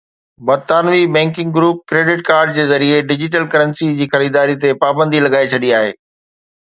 برطانوي banking group credit card ذريعي digital currency جي خريداري تي پابندي لڳائي ڇڏي آهي